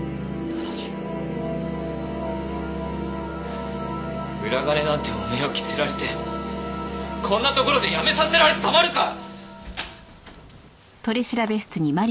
なのに裏金なんて汚名を着せられてこんなところでやめさせられてたまるか！